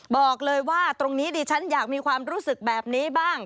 บอกเลยว่าตรงนี้ดิฉันอยากมีความรู้สึกแบบนี้บ้าง